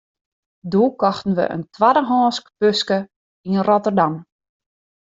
Doe kochten we in twaddehânsk buske yn Rotterdam.